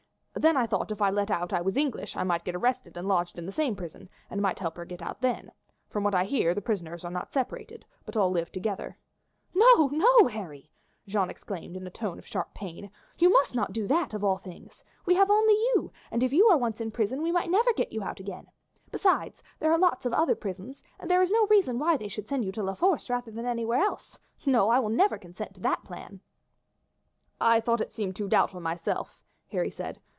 Then I thought if I let out I was English I might get arrested and lodged in the same prison, and might help her to get out then. From what I hear, the prisoners are not separated, but all live together." "No, no, Harry," Jeanne exclaimed in a tone of sharp pain, "you must not do that of all things. We have only you, and if you are once in prison you might never get out again; besides, there are lots of other prisons, and there is no reason why they should send you to La Force rather than anywhere else. No, I will never consent to that plan." "I thought it seemed too doubtful myself," Harry said.